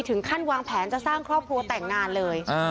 ถึงขั้นวางแผนจะสร้างครอบครัวแต่งงานเลย